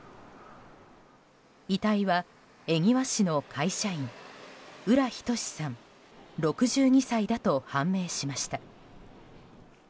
遺体は恵庭市の会社員浦仁志さん、６２歳だと判明しました。